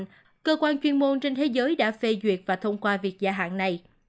hà nội thường nhấn mạnh cơ quan chuyên môn trên thế giới đã phê duyệt và thông qua việc gia hạn này